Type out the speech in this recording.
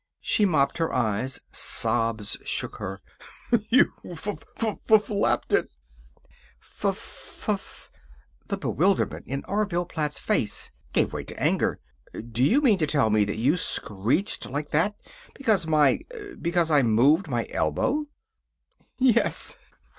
She mopped her eyes. Sobs shook her. "You f f flapped it." "F f f " The bewilderment in Orville Platt's face gave way to anger. "Do you mean to tell me that you screeched like that because my because I moved my elbow?" "Yes."